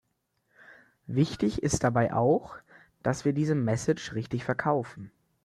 Wichtig ist dabei auch, dass wir diese Message richtig verkaufen.